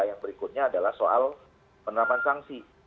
yang berikutnya adalah soal penerapan sanksi